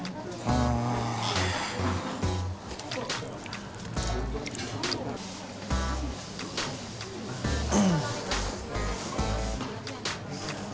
ああ。